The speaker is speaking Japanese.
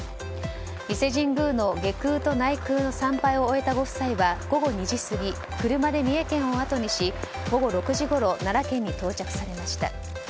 伊勢神宮の外宮と内宮の参拝を終えたご夫妻は午後２時過ぎ車で三重県をあとにし午後６時ごろ奈良県に到着されました。